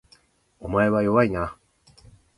お前は弱いな